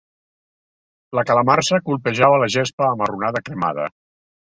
La calamarsa colpejava la gespa amarronada cremada.